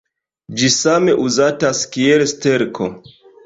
Ĝi same uzatas kiel sterko.